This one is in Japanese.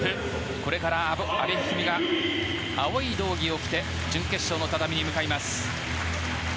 これから阿部一二三が青い道着を着て準決勝の畳に向かいます。